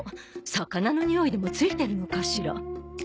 魚のにおいでもついてるのかしら。